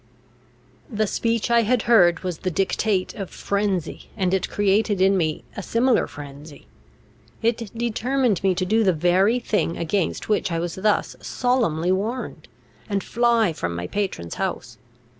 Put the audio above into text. The speech I had heard was the dictate of frenzy, and it created in me a similar frenzy. It determined me to do the very thing against which I was thus solemnly warned, and fly from my patron's house.